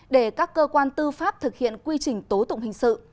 để các cơ quan tư pháp thực hiện quy trình tố tụng hình sự